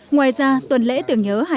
ngoài ra tuần lễ tưởng nhớ